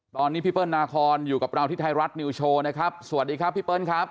ตอนนี้พี่เปิ้ลนาคอนอยู่กับเราที่ไทยรัฐนิวโชว์นะครับสวัสดีครับพี่เปิ้ลครับ